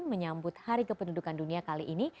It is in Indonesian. menyambut hari kependudukan dunia kali ini